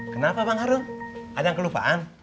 kenapa bang harun ada yang kelupaan